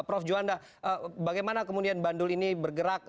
prof juanda bagaimana kemudian bandul ini bergerak